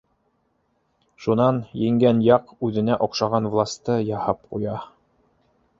Шунан еңгән яҡ үҙенә оҡшаған власты яһап ҡуя.